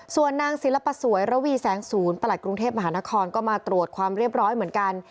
ส่วนนางศิลปสวยระวีแสงศูนย์ประหลัดกรุงเทพมหานครก็มาตรวจความเรียบร้อยเหมือนกัน